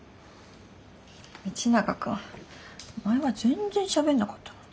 道永君前は全然しゃべんなかったのに。